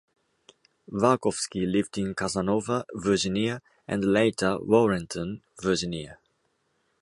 Berkofsky lived in Casanova, Virginia and later Warrenton, Virginia.